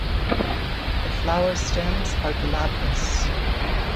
The flower stems are glabrous.